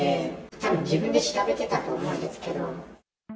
たぶん、自分で調べてたと思うんですけど。